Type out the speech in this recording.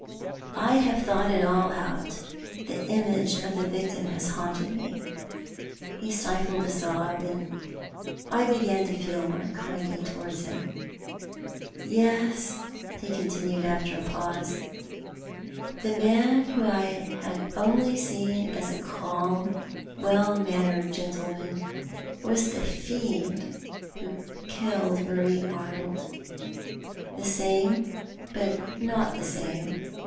I have thought it all ovat— the image of the viotiia has haunted me." He stifled a sob, and I began to feel more kindly towards him, ," Yes," he coutiuued, after a pause, " the man whom I had only seen as a calm and well mannered gentleman was the fiend who killed Marie Arnold — the same but not the same.